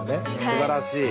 すばらしい！